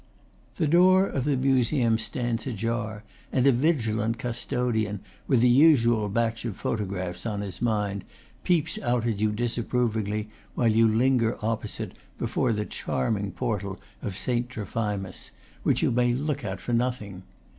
The door of the Museum stands ajar, and a vigilant custodian, with the usual batch of photographs on his mind, peeps out at you disapprovingly while you linger opposite, before the charming portal of Saint Trophimus, which you may look at for nothing.